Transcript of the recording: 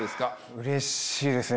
うれしいですね。